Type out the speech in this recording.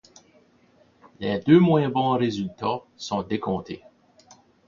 Les deux moins bons résultats sont décomptés.